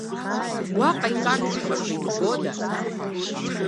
Уаҟа икаршәуп, аха избода?